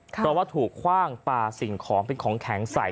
เพราะว่าถูกคว่างปลาสิ่งของเป็นของแข็งใส่